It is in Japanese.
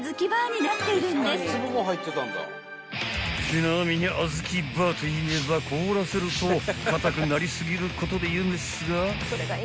［ちなみにあずきバーといえば凍らせると硬くなり過ぎることで有名っすが］